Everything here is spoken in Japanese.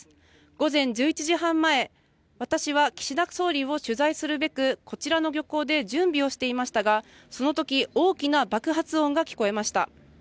午前１１時半前私は岸田総理を取材するべく、こちらの漁港で準備をしていましたが、そのとき、大きな爆発音が聞こえました。